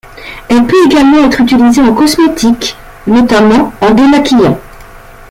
Elle peut également être utilisée en cosmétique, notamment en démaquillant.